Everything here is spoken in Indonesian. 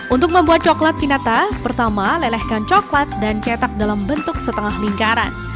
untuk membuat coklat pinata pertama lelehkan coklat dan cetak dalam bentuk setengah lingkaran